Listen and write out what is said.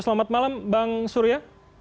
selamat malam bang surya